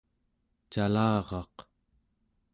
calaraq